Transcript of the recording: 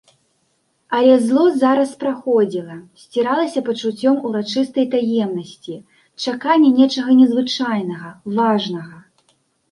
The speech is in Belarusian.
Але злосць зараз праходзіла, сціралася пачуццём урачыстай таемнасці, чакання нечага незвычайнага, важнага.